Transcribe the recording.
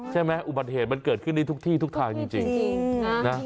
ใช่ไหมอุบัติเหตุมันเกิดขึ้นที่ทุกทางจริง